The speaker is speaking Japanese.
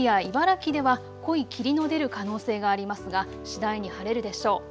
栃木や茨城では濃い霧の出る可能性がありますが次第に晴れるでしょう。